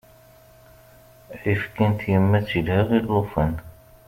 Ayefki n tyemmat ilha i llufan.